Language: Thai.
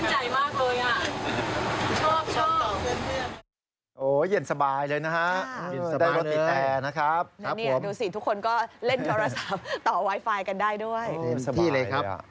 เล่นสบายเลยอะค่ะประโยชน์นี้เห็นสบายเลย